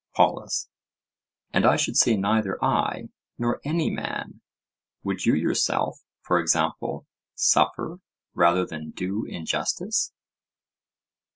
POLUS: And I should say neither I, nor any man: would you yourself, for example, suffer rather than do injustice?